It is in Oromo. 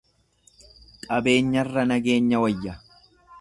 Qabeenyarra nageenya wayya.